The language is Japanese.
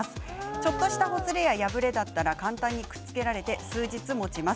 ちょっとしたほつれや破れたら簡単にくっつけられて数日もちます。